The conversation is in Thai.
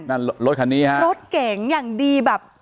นั่นรถคันนี้ฮะรถเก๋งอย่างดีแบบ